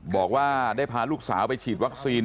บอกว่าได้พาลูกสาวไปฉีดวัคซีน